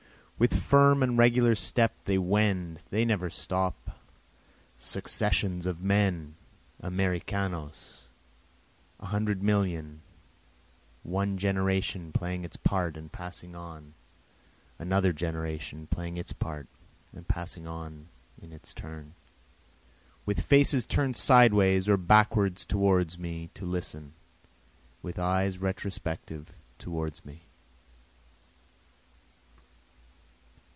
With firm and regular step they wend, they never stop, Successions of men, Americanos, a hundred millions, One generation playing its part and passing on, Another generation playing its part and passing on in its turn, With faces turn'd sideways or backward towards me to listen, With eyes retrospective towards me.